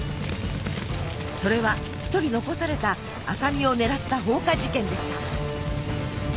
それは一人残された麻美を狙った放火事件でした。